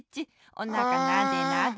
おなかなでなで。